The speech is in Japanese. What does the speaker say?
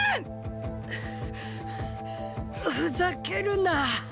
ふざけるな。